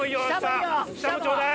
下もちょうだい！